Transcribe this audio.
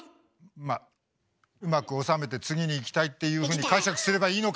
まあうまく収めて次にいきたいっていうふうに解釈すればいいのか？